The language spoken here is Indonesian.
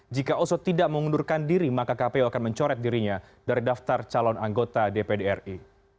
jika oso tidak mengundurkan diri maka kpu akan mencoret dirinya dari daftar calon anggota dpd ri